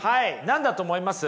何だと思います？